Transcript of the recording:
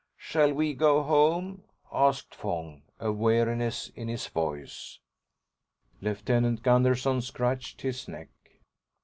"Shall we go home?" asked Fong, a weariness in his voice. Lieutenant Gunderson scratched his neck.